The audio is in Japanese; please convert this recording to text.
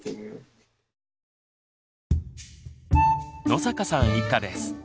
野坂さん一家です。